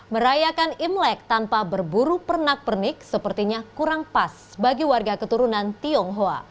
merayakan imlek tanpa berburu pernak pernik sepertinya kurang pas bagi warga keturunan tionghoa